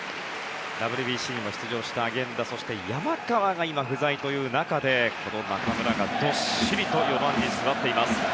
ＷＢＣにも出場した源田そして山川が今、不在という中でこの中村がどっしりと４番に座っています。